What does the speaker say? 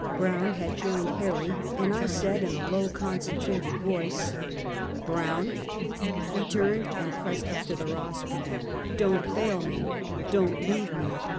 Brown had joined Harry, and I said in a low, concentrated voice : "Brown." He turned and pressed up to the rostrum. "Don't fail me! Don't leave me!